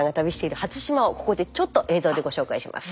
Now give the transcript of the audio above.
ここでちょっと映像でご紹介します。